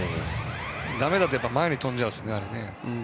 だめだと前に飛んじゃうんですよね。